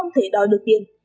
để đòi được tiền